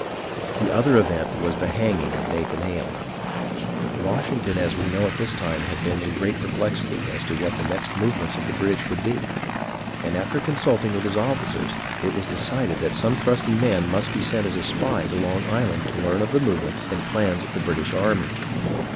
The other event was the hanging of Nathan Hale. Washington, as we know, at this time had been in great perplexity as to what the next movements of the British would be, and after consulting with his officers it was de cided that some trusty man must be sent as a spy to Long Island to learn of the movements and plans of the British army.